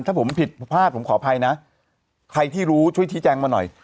ถ้าผมผิดพลาดผมขออภัยนะใครที่รู้ช่วยชี้แจงมาหน่อย